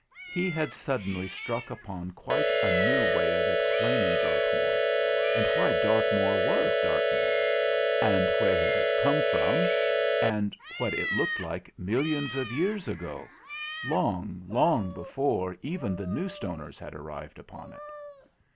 He had suddenly struck upon quite a new way of ex plaining Dartmoor, and why Dartmoor was Dartmoor, and where it had come from, and what it looked like millions of years ago long, long before even the New Stoners had arrived upon it.